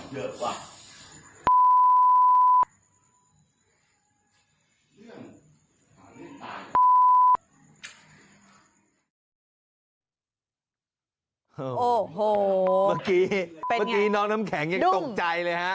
เมื่อกี้น้องน้ำแข็งยังตกใจเลยฮะ